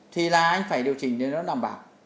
thì là anh phải điều chỉnh để nó đảm bảo